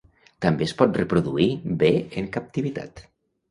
També es pot reproduir bé en captivitat.